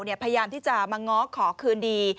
พยายามที่จะมาง้อขอคืนดี